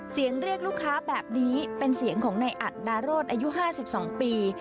เรียกลูกค้าแบบนี้เป็นเสียงของในอัดดาโรศอายุ๕๒ปี